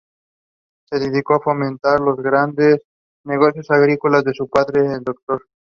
Se dedicó a fomentar los grandes negocios agrícolas de su padre, el Dr.